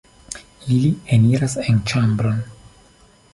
Ili eniras en ĉambron.